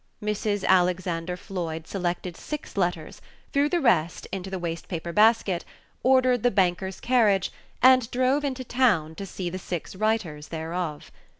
Mrs. Alexander Floyd selected six letters, threw the rest into the waste paper basket, ordered the banker's carriage, and drove into town to see the six writers thereof.